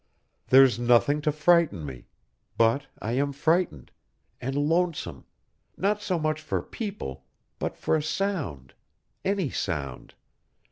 There's nothing to frighten me, but I am frightened ... and lonesome, not so much for people, but for a sound ... any sound.